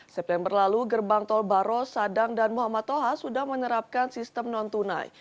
september lalu gerbang tol baro sadang dan muhammad toha sudah menerapkan sistem non tunai